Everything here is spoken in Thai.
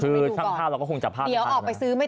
ดูก่อนคือทางภาพเราก็คงจับภาพเดี๋ยวออกไปซื้อไม่